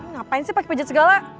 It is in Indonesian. ngapain sih pake pijet segala